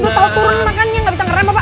udah pelan turunan makanya gak bisa ngerem apa